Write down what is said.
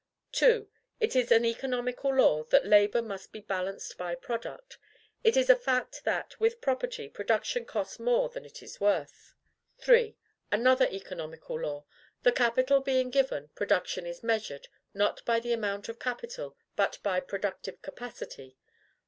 2. It is an economical law, that LABOR MUST BE BALANCED BY PRODUCT. It is a fact that, with property, production costs more than it is worth. 3. Another economical law: THE CAPITAL BEING GIVEN, PRODUCTION IS MEASURED, NOT BY THE AMOUNT OF CAPITAL, BUT BY PRODUCTIVE CAPACITY.